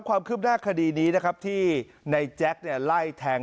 ความคืบหน้าคดีนี้นะครับที่ในแจ๊คไล่แทง